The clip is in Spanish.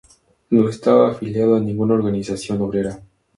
No estaba afiliado a ninguna organización obrera.